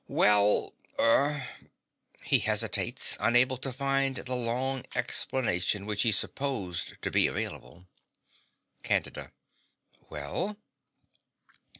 Well er (He hesitates, unable to find the long explanation which he supposed to be available.) CANDIDA. Well?